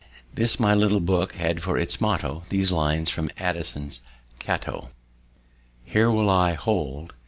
This my little book had for its motto these lines from Addison's Cato: "Here will I hold.